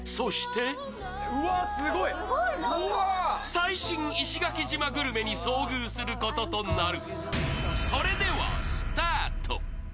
最新石垣島グルメに遭遇することとなる。